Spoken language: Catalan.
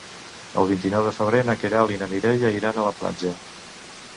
El vint-i-nou de febrer na Queralt i na Mireia iran a la platja.